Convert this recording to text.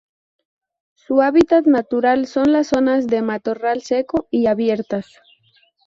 Su hábitat natural son las zonas de matorral seco y abiertas.